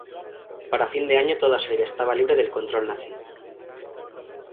Para fin de año, toda Serbia estaba libre del control nazi.